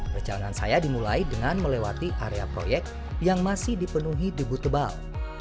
perjalanan saya dimulai dengan melewati area proyek yang masih dipenuhi debu tebal